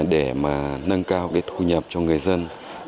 để mà nâng cao cái thu nhập cho người dân